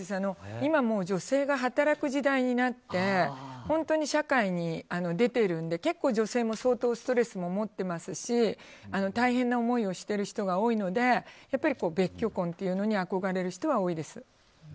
今、女性が働く時代になって本当に社会に出ているんで結構、女性も相当ストレスも持っていますし大変な思いをしてる人が多いので別居婚というのに憧れる人は多いです。